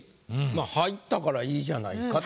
まぁ入ったからいいじゃないかという。